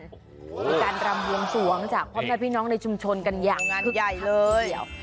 มีการรำหวงสวงจากพร้อมพี่น้องในชุมชนกันอย่างขึ้นทั้งเดียว